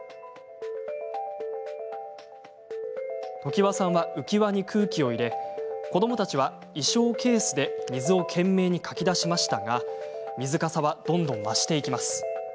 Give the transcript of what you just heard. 常和さんは浮き輪に空気を入れ子どもたちは衣装ケースで水を懸命にかき出しましたが水かさはどんどん増していきます。